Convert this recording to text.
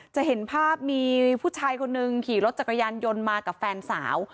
จะเห็นภาพมีผู้ชายคนหนึ่งขี่รถจักรยานยนต์มากับแฟนสาว